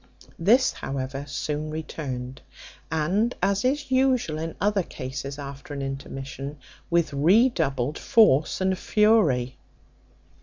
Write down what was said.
This, however, soon returned, and, as is usual in other cases after an intermission, with redoubled force and fury.